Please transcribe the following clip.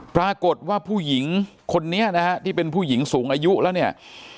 ปรากฏว่าผู้หญิงคนนี้นะฮะที่เป็นผู้หญิงสูงอายุแล้วเนี่ย